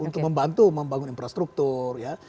untuk membantu membangun infrastruktur ya